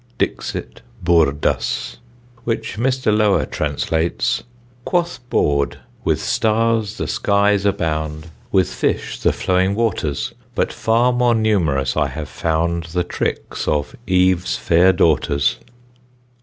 Dixit Boordus; which Mr. Lower translates: Quoth Boord, with stars the skies abound, With fish the flowing waters; But far more numerous I have found The tricks of Eve's fair daughters.